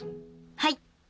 はい。